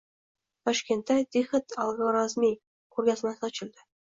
Toshkentda “Dixit Algorazmiy” ko‘rgazmasi ochildi